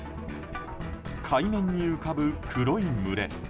海面に浮かぶ黒い群れ。